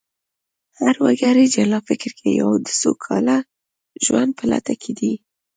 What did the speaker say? هر وګړی جلا فکر لري او د سوکاله ژوند په لټه کې دی